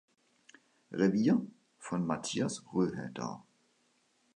Revier" von Matthias Röhe dar.